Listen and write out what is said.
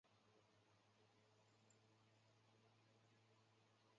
龙仙拱桥的历史年代为清嘉庆。